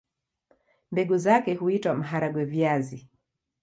Mbegu zake huitwa maharagwe-viazi.